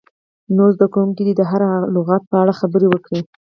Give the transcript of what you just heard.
نور زده کوونکي دې د هر لغت په اړه خبرې وکړي.